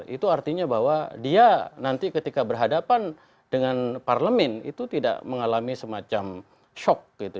itu artinya bahwa dia nanti ketika berhadapan dengan parlemen itu tidak mengalami semacam shock gitu